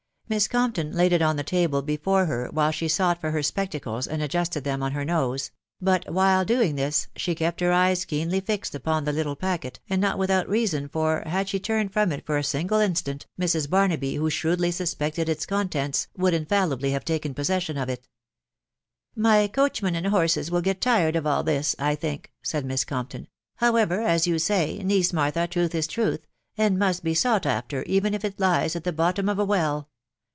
Miss Compton laid it on the table before her, while she sought for her spectacles and adjusted them on her nose ; but, while doing this, she kept her eyes keenly fixed upon the little packet, and not without reason, for, had she turned from it for a single instant, Mrs. Barnaby, who shrewdly suspected its contents, would infallibly haste taken possession of it, " My coachman and hones will get tired of all this, I think/' said Miss Compton ;" however, as you say, niece Martha, truth is truth, and must be sought after, even if it lies at die bottom of a well.